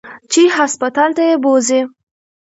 چې هسپتال ته يې بوځي.